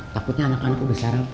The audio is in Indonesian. takutnya anak anak udah sarapan